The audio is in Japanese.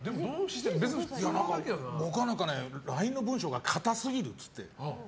僕は、ＬＩＮＥの文章が堅すぎるって。